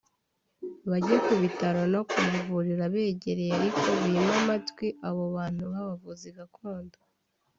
bajye ku bitaro no mu mavuriro abegereye ariko bime amatwi abo bantu b’abavuzi gakondo